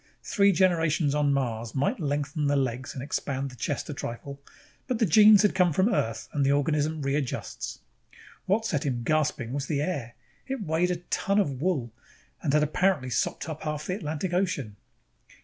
Three generations on Mars might lengthen the legs and expand the chest a trifle, but the genes had come from Earth and the organism readjusts. What set him gasping was the air. It weighed like a ton of wool and had apparently sopped up half the Atlantic Ocean.